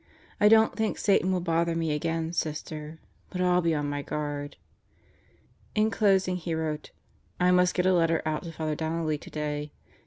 I don't think Satan will bother me again, Sister; but I'll be on my guard." In closing he wrote: "I must get a letter out to Father Donnelly today.